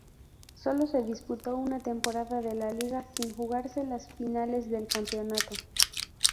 Sólo se disputó una temporada de la liga, sin jugarse las finales del campeonato.